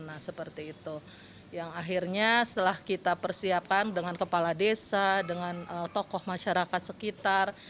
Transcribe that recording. nah seperti itu yang akhirnya setelah kita persiapkan dengan kepala desa dengan tokoh masyarakat sekitar